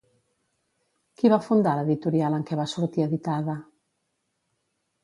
Qui va fundar l'editorial en què va sortir editada?